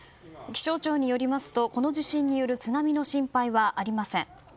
気象庁によりますとこの地震による津波の心配はありません。